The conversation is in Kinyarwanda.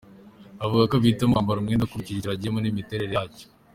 Avuga ko ahitamo kwambara umwenda akurikije ikirori agiyemo n’imiterere yacyo.